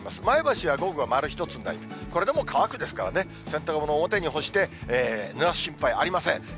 前橋は午後、丸１つになり、これでも乾くですからね、洗濯物を表に干してぬらす心配ありません。